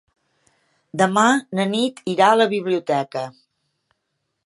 Demà na Nit irà a la biblioteca.